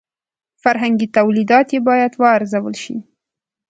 فرهنګي تولیدات یې باید وارزول شي.